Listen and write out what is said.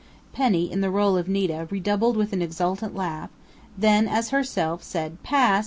Penny, in the role of Nita, redoubled with an exultant laugh, then, as herself, said, "Pass!"